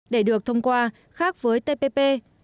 để được thông qua khác với tpp